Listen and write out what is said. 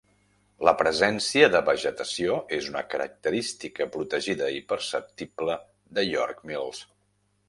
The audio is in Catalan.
La presència de vegetació és una característica protegida i perceptible de York Mills.